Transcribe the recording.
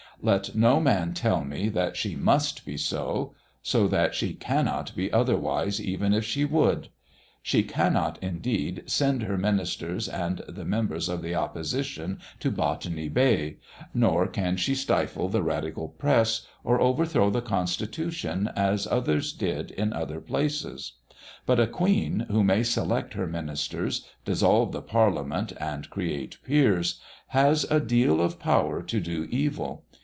Let no man tell me that she must be so; that she cannot be otherwise even if she would. She cannot, indeed, send her ministers and the members of the opposition to Botany Bay; nor can she stifle the radical press, or overthrow the constitution as others did in other places. But a Queen, who may select her ministers, dissolve the parliament, and create peers, has a deal of power to do evil.